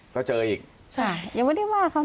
ก็เจออีก